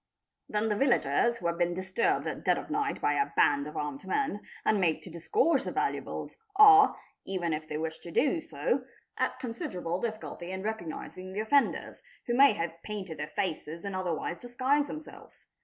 'Then the villagers who have been disturbed at dead of night by a band of armed men, and made to disgorge their valuables, are, even if they wish to do so, at considerable difficulty in recognising the offenders, who may have painted their faces and otherwise disguised themselves.